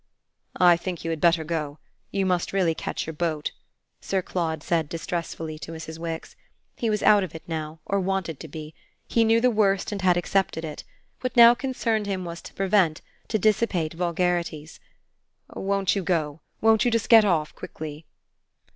"I think you had better go you must really catch your boat," Sir Claude said distressfully to Mrs. Wix. He was out of it now, or wanted to be; he knew the worst and had accepted it: what now concerned him was to prevent, to dissipate vulgarities. "Won't you go won't you just get off quickly?"